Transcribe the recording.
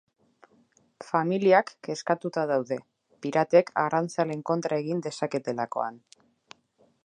Familiak kezkatuta daude, piratek arrantzaleen kontra egin dezaketelakoan.